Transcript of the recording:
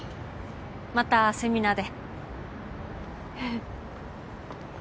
またセミナーで。